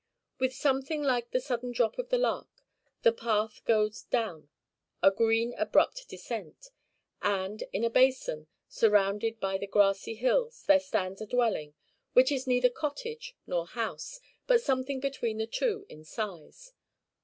With something like the sudden drop of the lark, the path goes down a green abrupt descent; and in a basin, surrounded by the grassy hills, there stands a dwelling, which is neither cottage nor house, but something between the two in size.